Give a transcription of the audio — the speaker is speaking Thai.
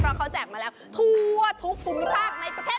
เพราะเขาแจกมาแล้วทั่วทุกภูมิภาคในประเทศ